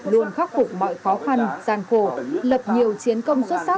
luôn khắc phục mọi khó khăn gian khổ lập nhiều chiến công xuất sắc